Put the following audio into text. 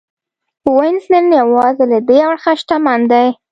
وینز نن یوازې له دې اړخه شتمن دی